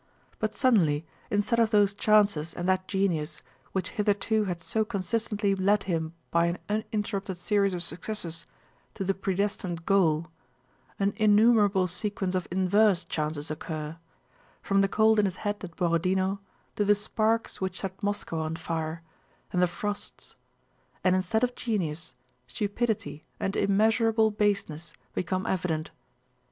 But suddenly instead of those chances and that genius which hitherto had so consistently led him by an uninterrupted series of successes to the predestined goal, an innumerable sequence of inverse chances occur—from the cold in his head at Borodinó to the sparks which set Moscow on fire, and the frosts—and instead of genius, stupidity and immeasurable baseness become evident.